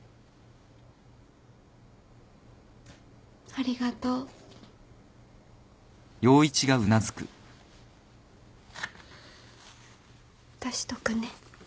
ありがとう。出しとくね。